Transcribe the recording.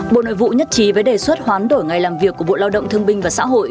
bộ nội vụ nhất trí với đề xuất hoán đổi ngày làm việc của bộ lao động thương binh và xã hội